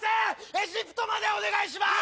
エジプトまでお願いします！